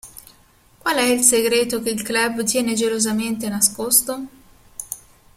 Qual è il segreto che il club tiene gelosamente nascosto?